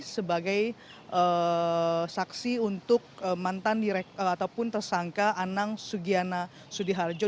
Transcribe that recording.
sebagai saksi untuk mantan ataupun tersangka anang sugiana sudiharjo